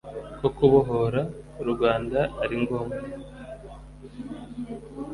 ko kubohora u rwanda ari ngombwa.